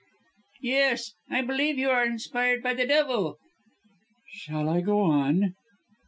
"Yes! I believe you are inspired by the devil." "Shall I go on?"